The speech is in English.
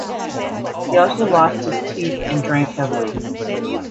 He also lost his teeth and drank heavily.